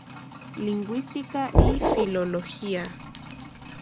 Lingüística y Filología".